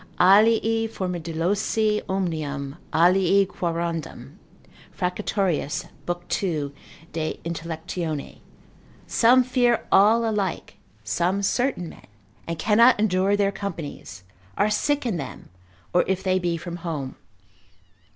Alii formidolosi omnium, alii quorundam (Fracatorius lib. 2. de Intellect.) some fear all alike, some certain men, and cannot endure their companies, are sick in them, or if they be from home.